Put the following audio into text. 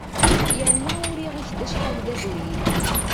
Yerna uriɣ-ak-d acḥal d abrid.